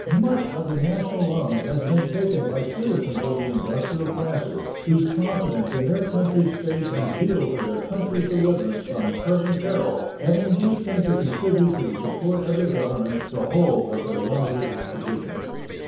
Much of the national loan has been taken by citizens of the industrial classes, whose confidence in their country's faith and zeal for their country's deliverance from present peril have induced them to contribute to the support of the Government the whole of their limited acquisitions.